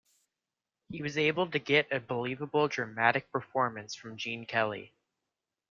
He was able to get a believable, dramatic performance from Gene Kelly.